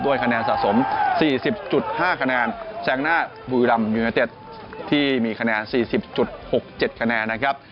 คะแนนสะสม๔๐๕คะแนนแซงหน้าบุรีรำยูเนเต็ดที่มีคะแนน๔๐๖๗คะแนนนะครับ